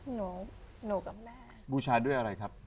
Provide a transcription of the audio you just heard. หนูหนูกับแม่บูชาด้วยอะไรครับ